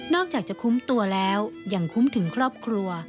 อกจากจะคุ้มตัวแล้วยังคุ้มถึงครอบครัว